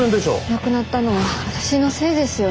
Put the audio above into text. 亡くなったのは私のせいですよね。